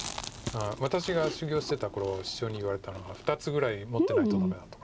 私が修業してた頃師匠に言われたのが２つぐらい持ってないとダメだとか。